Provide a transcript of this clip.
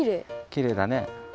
きれいだね。